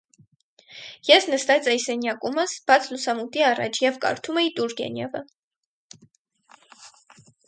Ես նստած էի սենյակումս՝ բաց լուսամուտի առաջ և կարդում էի Տուրգենևը: